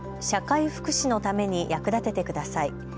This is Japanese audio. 社会福祉のために役立ててください。